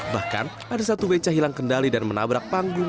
bahkan ada satu beca hilang kendali dan menabrak panggung